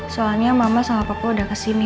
soalnya mama sama papa udah kesini